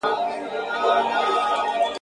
پردې مځکه دي خزان خېمې وهلي `